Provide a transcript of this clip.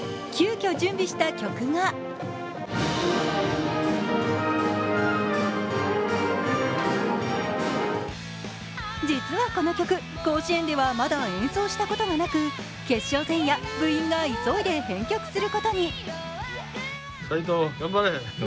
急きょ準備した曲が実はこの曲、甲子園ではまだ演奏したことがなく決勝前夜、部員が急いで編曲することに。